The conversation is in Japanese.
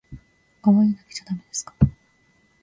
かわいいだけじゃだめですか